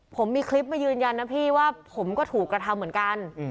ผมมีคลิปมายืนยันนะพี่ว่าผมก็ถูกกระทำเหมือนกัน